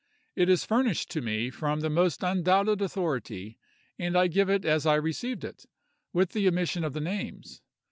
It is furnished to me from the most undoubted authority, and I give it as I received it, with the omission of the names.